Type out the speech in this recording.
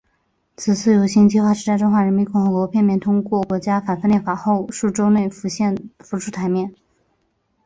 此次游行计画是在中华人民共和国片面通过反分裂国家法后数周内浮出台面。